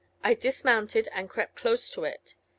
I dismounted and crept close to it.